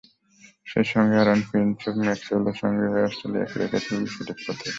সেই সঙ্গে অ্যারন ফিঞ্চও ম্যাক্সওয়েলের সঙ্গী হয়ে অস্ট্রেলিয়াকে রেখেছিলেন সঠিক পথেই।